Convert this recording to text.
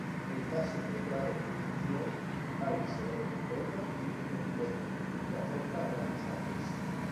En caso de grave infección, hay severo edema y eritema que afecta grandes áreas.